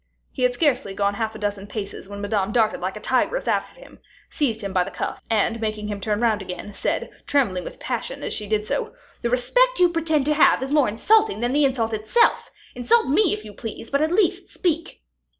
He had scarcely gone half a dozen paces when Madame darted like a tigress after him, seized him by the cuff, and making him turn round again, said, trembling with passion as she did so, "The respect you pretend to have is more insulting than the insult itself. Insult me, if you please, but at least speak."